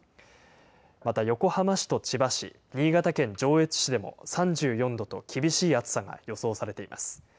また横浜市と千葉市、新潟県上越市でも３４度と厳しい暑さが予想されています。